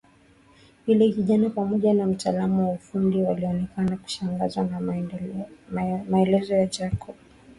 Yule kijana pamoja na mtaalamu wa ufundi walionekana kushangazwa na maelezo ya Jacob